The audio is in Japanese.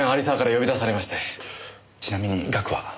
ちなみに額は？